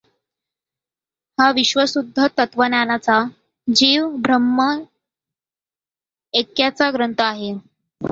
हा विशुद्ध तत्त्वज्ञानाचा, जीव ब ह्म ऐक्याचा ग्रंथ आहे.